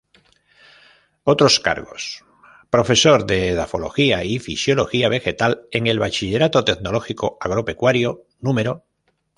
Otros Cargos: Profesor de Edafología y Fisiología Vegetal en el Bachillerato Tecnológico Agropecuario No.